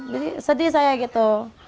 jadi sedih saya gitu